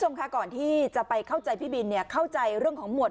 คุณผู้ชมคะก่อนที่จะไปเข้าใจพี่บินเนี่ยเข้าใจเรื่องของหมวด